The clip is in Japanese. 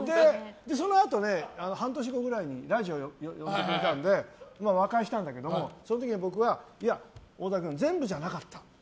そのあと、半年後くらいにラジオに呼んでくれたので和解したんだけどその時、僕が全部じゃなかったって。